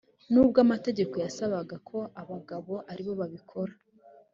n’ubwo amategeko yasabaga ko abagabo ari bo babikora